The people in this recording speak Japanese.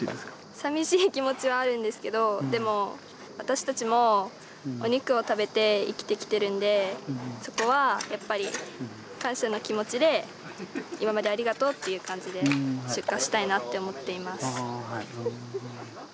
さみしい気持ちはあるんですけどでも私たちもお肉を食べて生きてきてるんでそこはやっぱり感謝の気持ちで今までありがとうっていう感じで出荷したいなって思っています。